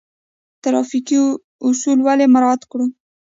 ټرافیکي اصول ولې مراعات کړو؟